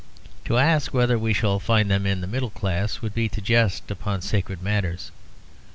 To ask whether we shall find them in the middle class would be to jest upon sacred matters.